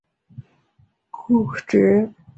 古时属荏原郡衾村。